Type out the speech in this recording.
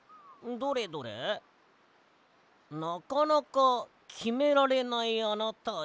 どれどれ「なかなかきめられないあなたへ」？